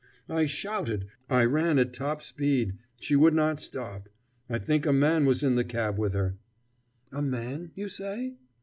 I shouted I ran at top speed she would not stop. I think a man was in the cab with her " "A man, you say?"